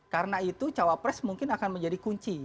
karena itu cawapres mungkin akan menjadi kunci